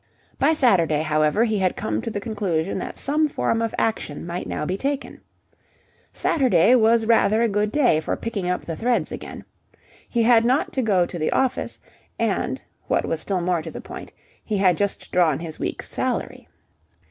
By Saturday, however, he had come to the conclusion that some form of action might now be taken. Saturday was rather a good day for picking up the threads again. He had not to go to the office, and, what was still more to the point, he had just drawn his week's salary.